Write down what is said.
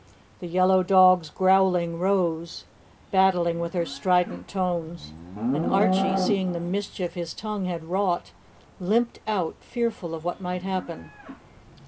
The yellow dog's growling rose, battling with her strident tones, and Archie, seeing the mischief his tongue had wrought, limped out, fearful of what might happen.